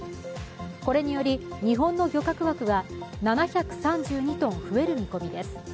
これにより日本の漁獲枠が７３２トン増える見込みです。